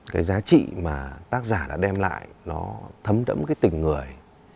cái giá trị mà tác giả đã đem lại nó thấm đẫm cái tình người